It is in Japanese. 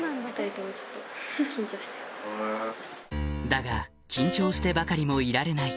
だが緊張してばかりもいられない